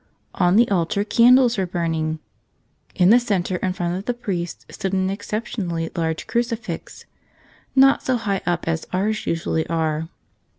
On the altar candles were burning. In the center, in front of the priest, stood an exceptionally large crucifix — not so high up as ours usually are.